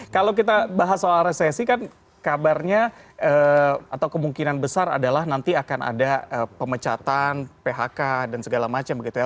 kalau kita bahas soal resesi kan kabarnya atau kemungkinan besar adalah nanti akan ada pemecatan phk dan segala macam begitu ya